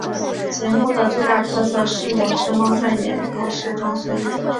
节目的最大特色是有只猫在演播室中随意走动。